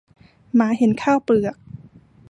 หมาเห็นข้าวเปลือก